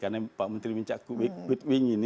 karena pak menteri winca kewitwing ini